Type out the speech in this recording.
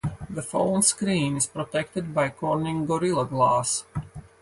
The phone screen is protected by Corning Gorilla Glass.